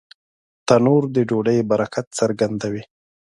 تنور د ډوډۍ برکت څرګندوي